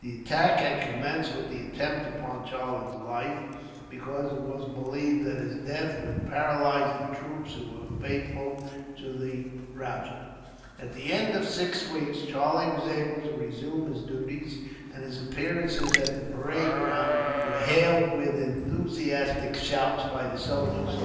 The attack had commenced with the attempt upon Charlie's life, because it was believed that his death would paralyse the troops who were faithful to the rajah. At the end of six weeks, Charlie was able to resume his duties, and his appearance at the parade ground was hailed with enthusiastic shouts by the soldiers.